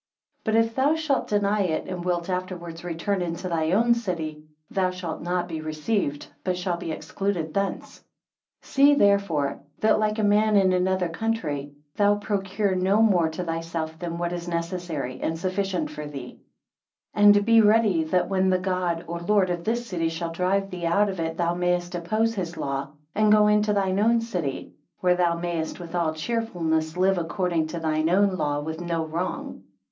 But if thou shalt deny it, and wilt afterwards return into thy own city, thou shalt not be received, but shall be excluded thence. 5 See therefore, that like a man in another country, thou procure no more to thyself than what is necessary, and sufficient for thee; and be ready, that when the God or Lord of this city shall drive thee out of it thou mayest oppose his law, and go into thine own city; where thou mayest with all cheerfulness live according to thine own law with no wrong.